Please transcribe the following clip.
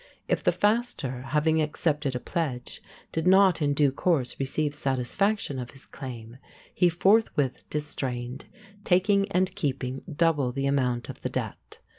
If the faster, having accepted a pledge, did not in due course receive satisfaction of his claim, he forthwith distrained, taking and keeping double the amount of the debt.